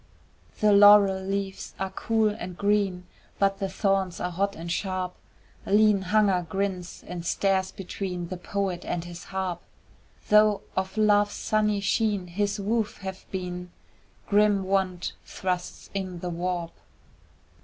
The laurel leaves are cool and green, But the thorns are hot and sharp, Lean Hunger grins and stares between The poet and his harp; Though of Love's sunny sheen his woof have been, Grim want thrusts in the warp.